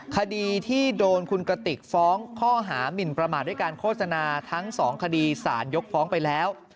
คดีที่โดนคุณกติกฟ้องข้อหามินประมาทด้วยการโฆษณาทั้งสองคดีสารยกฟ้องไปแล้ว